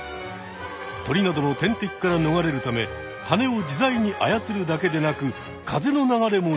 鳥などの天敵からのがれるためはねを自在にあやつるだけでなく風の流れも利用。